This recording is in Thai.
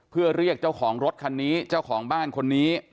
เพื่อเรียกเจ้าของรถคันนี้เจ้าของบ้านคนนี้